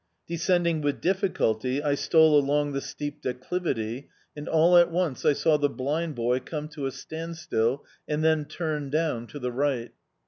Descending with difficulty, I stole along the steep declivity, and all at once I saw the blind boy come to a standstill and then turn down to the right.